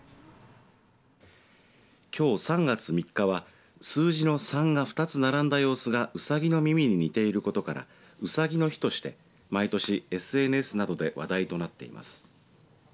きょう３月３日は数字の３が２つ並んだ様子がうさぎの耳に似ていることからうさぎの日として毎年ＳＮＳなどで話題となっています。